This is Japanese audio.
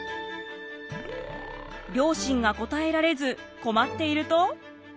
両親が答えられず困っていると。